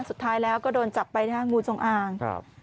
สุดท้ายแล้วก็โดนจับไปนะฮะงูจงอางครับ